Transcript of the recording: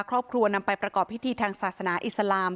ครอบครัวนำไปประกอบพิธีทางศาสนาอิสลาม